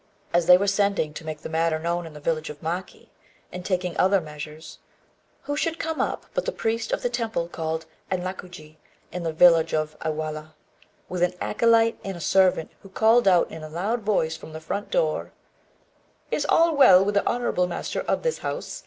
As they were sending to make the matter known in the village of Maki, and taking other measures, who should come up but the priest of the temple called Anrakuji, in the village of Iwahara, with an acolyte and a servant, who called out in a loud voice from the front door "Is all well with the honourable master of this house?